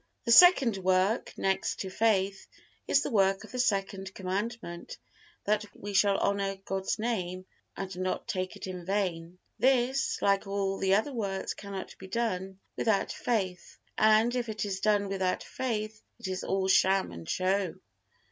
The second work, next to faith, is the work of the Second Commandment, that we shall honor God's Name and not take it in vain. This, like all the other works, cannot be done without faith; and if it is done without faith, it is all sham and show.